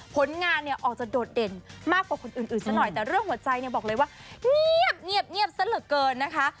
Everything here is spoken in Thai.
ผลงานเนี่ยออกจะโดดเด่นมากกว่าคนอื่นซะหน่อยแต่เรื่องหัวใจเนี่ยบอกเลยว่าเงียบซะเหลือเกินนะคะ